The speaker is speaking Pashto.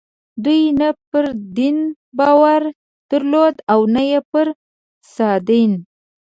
دوی نه پر دین باور درلود او نه پر سادین.